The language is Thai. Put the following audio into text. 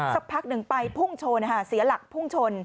สักพักหนึ่งไปพุ่งชนเสียหลักพุ่งชน